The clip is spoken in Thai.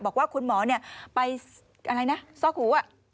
บอกว่าคุณหมอไปอะไรนะซอกหู